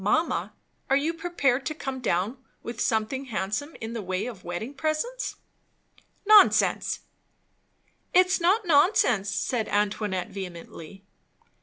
Mamma, are you prepared to come down with something handsome in the way of wedding presents?" "Nonsense!" "It's not nonsense!" said Antoinette vehemently.